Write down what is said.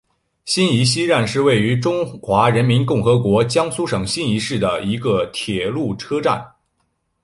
新沂西站是位于中华人民共和国江苏省新沂市的一个铁路车站。